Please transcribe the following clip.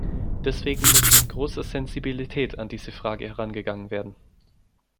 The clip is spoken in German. Deswegen muss mit großer Sensibilität an diese Frage herangegangen werden.